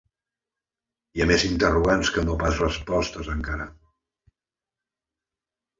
Hi ha més interrogants que no pas respostes encara.